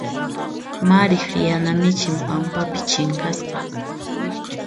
Mariq yana michin pampapi chinkasqa.